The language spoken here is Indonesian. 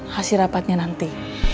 hasil rapatnya nanti